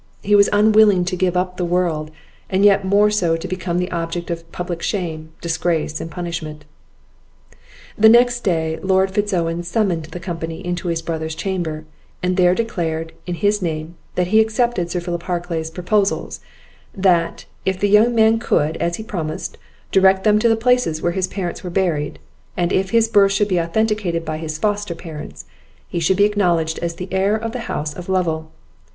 He was unwilling to give up the world, and yet more so to become the object of public shame, disgrace, and punishment. The next day, Lord Fitz Owen summoned the company into his brother's chamber, and there declared, in his name, that he accepted Sir Philip Harclay's proposals; that, if the young man could, as he promised, direct them to the places where his parents were buried, and if his birth should be authenticated by his foster parents, he should be acknowledged the heir of the house of Lovel.